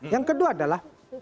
yang kedua adalah